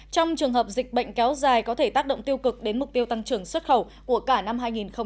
trong trường hợp dịch bệnh kéo dài có thể tác động tiêu cực đến mục tiêu tăng trưởng xuất khẩu của cả năm hai nghìn hai mươi